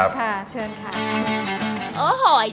เชิญครับ